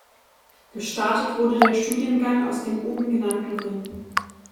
Gestartet wurde der Studiengang aus den oben genannten Gründen.